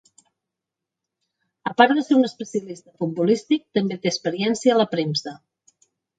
A part de ser un especialista futbolístic, també té experiència a la premsa.